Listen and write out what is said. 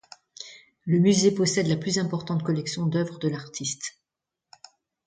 Le musée possède la plus importante collection d'œuvres de l'artiste.